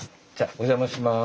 お邪魔します。